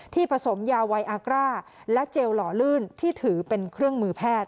ผสมยาไวอากร่าและเจลหล่อลื่นที่ถือเป็นเครื่องมือแพทย์